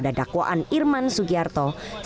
setia vanto menerima pemberian dari kppi